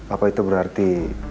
apa itu berarti